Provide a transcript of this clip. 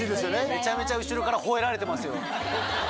めちゃめちゃ後ろから吠えられてますよ。